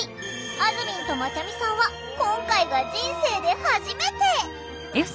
あずみんとまちゃみさんは今回が人生で初めて！